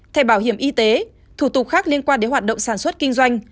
thẻ bảo hiểm y tế thủ tục khác liên quan đến hoạt động sản xuất kinh doanh